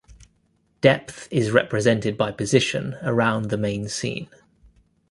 Depth is represented by position around the main scene.